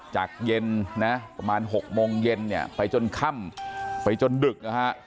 จากเย็นประมาณ๖โมงเย็นไปจนค่ำไปจนดึกนะฮะ